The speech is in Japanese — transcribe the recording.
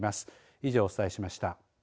以上、お伝えしました。